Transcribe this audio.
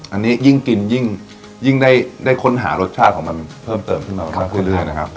อันนี้ยิ่งกินยิ่งได้ค้นหารสชาติของมันเพิ่มเติมขึ้นมามากขึ้นเรื่อยนะครับ